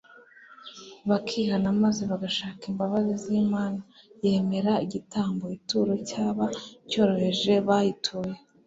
bakihana maze bagashaka imbabazi z'imana, yemera igitambo [ituro] cyabo cyoroheje bayituye